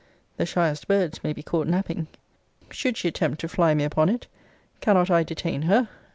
The shyest birds may be caught napping. Should she attempt to fly me upon it, cannot I detain her?